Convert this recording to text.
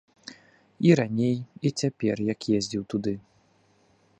І раней, і цяпер, як ездзіў туды.